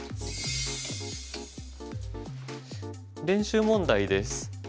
練習問題です。